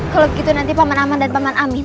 kalau gitu nanti paman aman dan paman amin